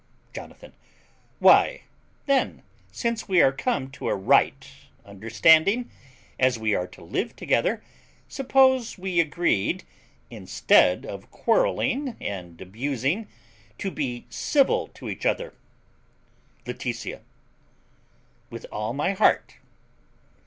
Jonathan. Why, then, since we are come to a right understanding, as we are to live together, suppose we agreed, instead of quarrelling and abusing, to be civil to each other. Laetitia. With all my heart.